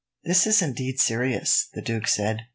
"This is indeed serious," the duke said.